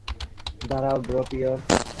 দাঁড়াও, ড্রপিয়র।